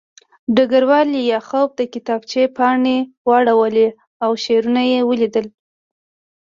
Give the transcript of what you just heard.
ډګروال لیاخوف د کتابچې پاڼې واړولې او شعرونه یې ولیدل